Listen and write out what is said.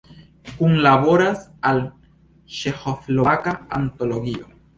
Kunlaboras al Ĉeĥoslovaka antologio.